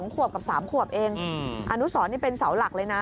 ขวบกับ๓ขวบเองอนุสรนี่เป็นเสาหลักเลยนะ